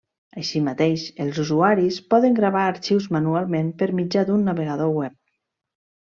Així mateix, els usuaris poden gravar arxius manualment per mitjà d'un navegador web.